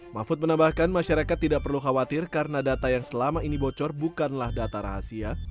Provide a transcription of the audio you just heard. mahfud menambahkan masyarakat tidak perlu khawatir karena data yang selama ini bocor bukanlah data rahasia